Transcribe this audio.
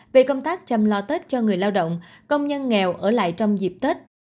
về công tác chăm lo tết cho người lao động công nhân nghèo ở lại trong dịp tết